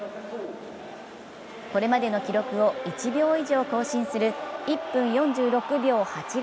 これまでの記録を１秒以上更新する１分４６秒８５。